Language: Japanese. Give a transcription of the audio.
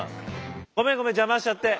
ごめんごめん邪魔しちゃって。